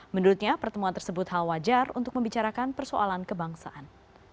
menurutnya pertemuan tersebut hal wajar untuk membicarakan persoalan kebangsaan